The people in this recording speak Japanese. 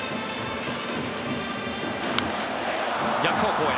逆方向へ。